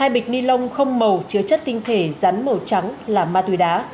hai bịch ni lông không màu chứa chất tinh thể rắn màu trắng là ma túy đá